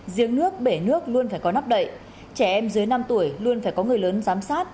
giếng nước bể nước luôn phải có nắp đậy trẻ em dưới năm tuổi luôn phải có người lớn giám sát